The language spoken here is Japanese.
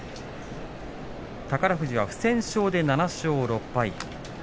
宝富士は不戦勝で７勝６敗。